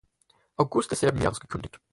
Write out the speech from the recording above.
August desselben Jahres gekündigt.